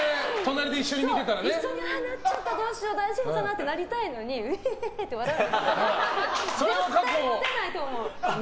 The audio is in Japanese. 一緒になっちゃったどうしよう、大丈夫かなってなりたいのにウヘヘヘって笑ってるのは絶対モテないと思う。